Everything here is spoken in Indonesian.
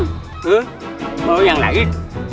eh mau yang lain